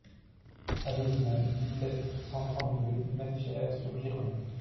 Allée du Mont, dix-sept, cent trente-deux Meschers-sur-Gironde